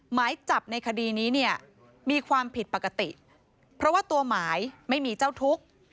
หมายจับในคดีนี้เนี่ยมีความผิดปกติเพราะว่าตัวหมายไม่มีเจ้าทุกข์